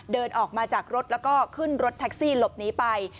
เดินออกมาจากรถแล้วก็ขึ้นรถแท็กซี่หลบหนีไป